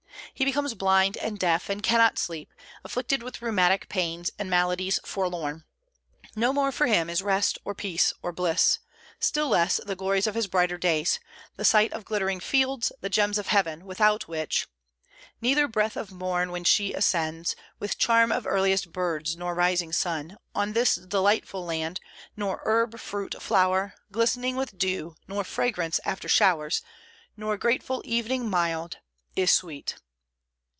He becomes blind and deaf, and cannot sleep, afflicted with rheumatic pains and maladies forlorn. No more for him is rest, or peace, or bliss; still less the glories of his brighter days, the sight of glittering fields, the gems of heaven, without which "Neither breath of Morn, when she ascends With charm of earliest birds, nor rising sun On this delightful land, nor herb, fruit, flower Glistering with dew, nor fragrance after showers, Nor grateful evening mild,... is sweet."